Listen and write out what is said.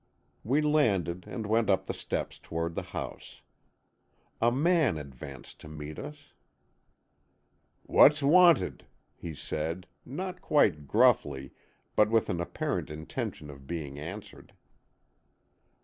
We landed and went up the steps toward the house. A man advanced to meet us. "What's wanted?" he said, not quite gruffly, but with an apparent intention of being answered.